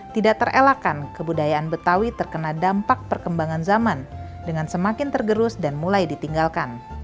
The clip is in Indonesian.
tidak terelakkan kebudayaan betawi terkena dampak perkembangan zaman dengan semakin tergerus dan mulai ditinggalkan